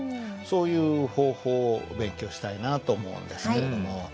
そういう方法をお勉強したいなと思うんですけれども。